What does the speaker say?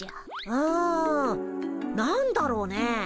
うん何だろうね？